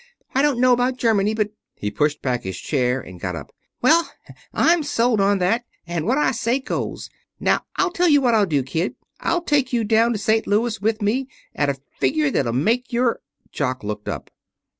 I don't know about Germany, but " He pushed back his chair and got up. "Well, I'm solid on that. And what I say goes. Now I'll tell you what I'll do, kid. I'll take you down to St. Louis with me, at a figure that'll make your " Jock looked up.